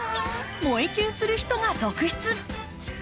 萌えキュンする人が続出。